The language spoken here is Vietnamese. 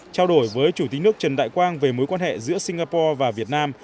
trao đổi với chủ tịch nước trần đại quang về mối quan hệ giữa singapore và việt nam